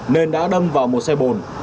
nên đã đâm vào một xe bồn